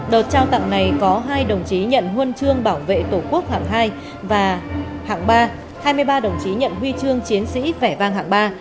đợt trao tặng này có hai đồng chí nhận huân chương bảo vệ tổ quốc hạng hai và hạng ba hai mươi ba đồng chí nhận huy chương chiến sĩ vẻ vang hạng ba